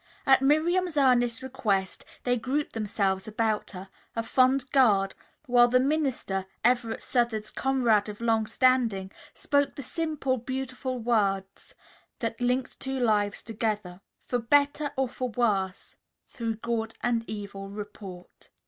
At Miriam's earnest request they grouped themselves about her, a fond guard, while the minister, Everett Southard's comrade of long standing, spoke the simple, beautiful words that linked two lives together, "for better or for worse, through good and evil report."